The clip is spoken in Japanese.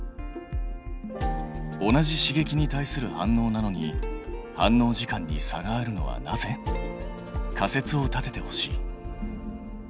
同じ刺激に対する反応なのに反応時間に差があるのはなぜ？仮説を立ててほしい。